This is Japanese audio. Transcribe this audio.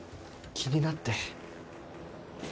気になって。